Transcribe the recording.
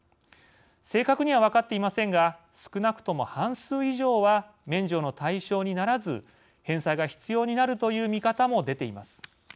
正確には分かっていませんが少なくとも半数以上は免除の対象にならず返済が必要になるという見方も出ています。